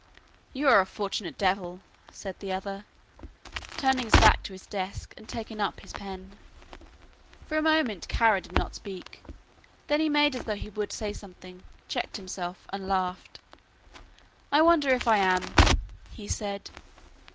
"You are a fortunate devil," said the other, turning back to his desk, and taking up his pen. For a moment Kara did not speak, then he made as though he would say something, checked himself, and laughed. "I wonder if I am," he said.